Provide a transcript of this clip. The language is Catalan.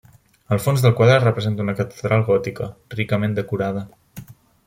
El fons del quadre representa una catedral gòtica, ricament decorada.